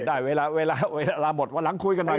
ได้เวลาเวลาหมดวันหลังคุยกันหน่อย